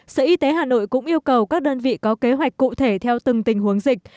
sở y tế hà nội cũng yêu cầu các đơn vị có kế hoạch cụ thể theo từng tình huống dịch